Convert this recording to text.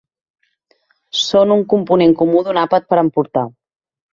Són un component comú d'un àpat per emportar.